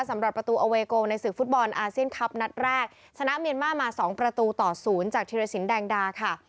สำหรับประตูอเวโกในศึกฟุตบอลอาเซียนคลับนัดแรกชนะเมียนมาร์มาสองประตูต่อศูนย์จากธิรสินแดงดาค่ะ